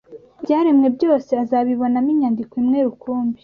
Ibyaremwe byose azabibonamo inyandiko imwe rukumbi